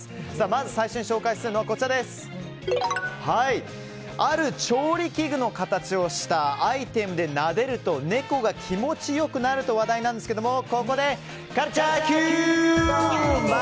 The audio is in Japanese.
まず最初に紹介するのはある調理器具の形をしたアイテムで、なでると猫が気持ち良くなると話題ですがここで、カルチャーＱ！